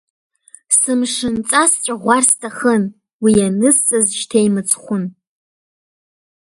Сымшынҵа сҵәаӷәар сҭахын, уи ианысҵаз шьҭа имыцхәын.